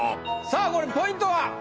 さあこれポイントは？